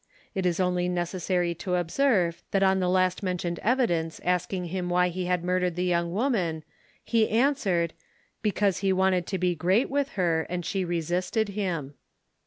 It is only necessary to observe that on the last mentioned evidence asking him why he had murdered the young woman, he answered, "Because he wanted to be great with her, and she resisted him."